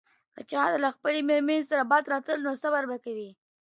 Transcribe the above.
که د چا له خپلي ميرمني څخه بد راتله، نو صبر به کوي.